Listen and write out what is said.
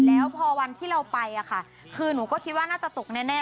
แล้วพอวันที่เราไปคือหนูก็คิดว่าน่าจะตกแน่